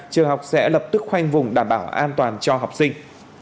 trường học sẽ lập tức khoanh vùng đảm bảo an toàn cho học sinh